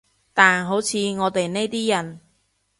但好似我哋呢啲人